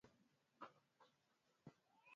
Dalili kuu za ugonjwa huo